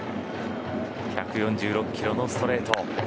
１４６キロのストレート。